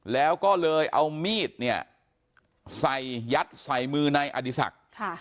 แล้วก็เลยเอามีดเนี่ยใส่ยัดใส่มือนายอดีศักดิ์